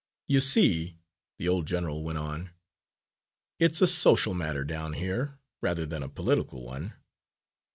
"You see," the old general went on, "it's a social matter down here, rather than a political one.